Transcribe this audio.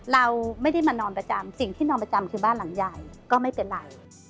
เราไม่ได้มานอนประจำสิ่งที่นอนประจำคือบ้านหลังใหญ่ก็ไม่เป็นไร